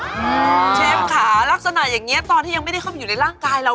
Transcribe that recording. เชฟค่ะลักษณะอย่างนี้ตอนที่ยังไม่ได้เข้ามาอยู่ในร่างกายเรา